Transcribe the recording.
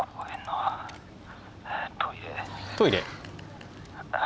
トイレ。